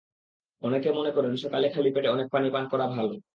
অনেকে মনে করেন সকালে খালি পেটে অনেক পানি পান করা ভালো।